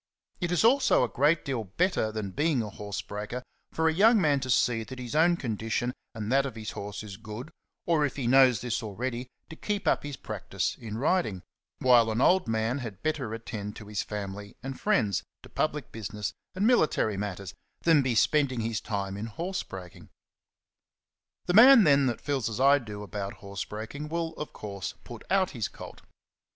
It is also a great deal better than being a horse breaker for a young man to see that his own condition and that of his horse is good, or if he knows this already, to keep up his practice in riding; while an old man had better attend to his family and friends, to public business and military matters, than be spending his time in horse breaking. CHAPTER II. 21 The man, then, that feels as I do about horse breaking will, of course, put out his colt.